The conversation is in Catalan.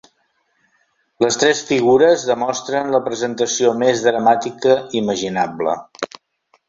Les tres figures demostren la presentació més dramàtica imaginable.